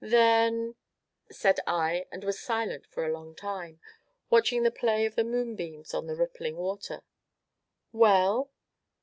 "Then " said I, and was silent for a long time, watching the play of the moonbeams on the rippling water. "Well?"